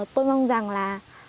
tôi mong rằng là